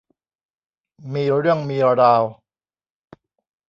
มีเรื่องมีราว